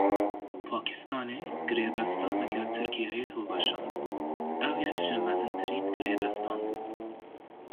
Pakistanê girêbesta li gel Tirkiyeyê hilweşand, ew yek ji mezintirîn girêbestan bû.